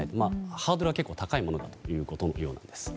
ハードルは結構高いものだということのようです。